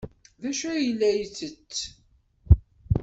D acu ay la yettett?